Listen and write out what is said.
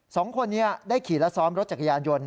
สองคนนี้ได้ขี่และซ้อมรถจักรยานยนต์